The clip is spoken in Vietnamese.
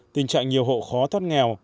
tình trạng nhiều hộ khó thoát nghèo